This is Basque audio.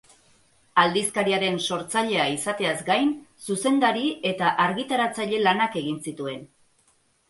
Aldizkariaren sortzailea izateaz gain, zuzendari eta argitaratzaile lanak egin zituen.